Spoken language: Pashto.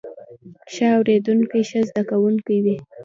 ښه اوریدونکی ښه زده کوونکی وي